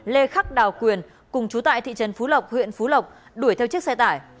lê khắc đào quyền cùng chú tại thị trấn phú lộc huyện phú lộc đuổi theo chiếc xe tải